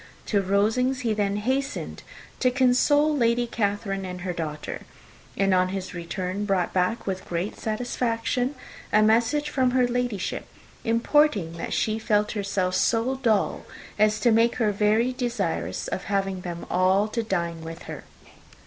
To Rosings he then hastened to console Lady Catherine and her daughter; and on his return brought back, with great satisfaction, a message from her Ladyship, importing that she felt herself so dull as to make her very desirous of having them all to dine with her.